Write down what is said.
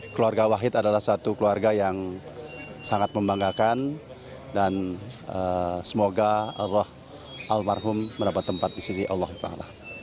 keluarga wahid adalah satu keluarga yang sangat membanggakan dan semoga allah almarhum mendapat tempat di sisi allah swt